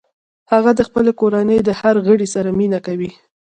هغه د خپلې کورنۍ د هر غړي سره مینه کوي